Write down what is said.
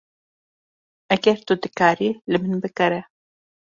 Eger tu dikarî, li min bigire.